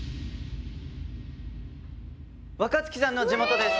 若槻さんの地元です。